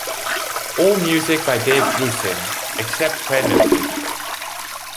All music by Dave Grusin, except where noted.